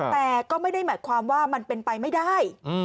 แต่ก็ไม่ได้หมายความว่ามันเป็นไปไม่ได้